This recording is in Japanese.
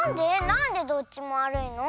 なんでどっちもわるいの？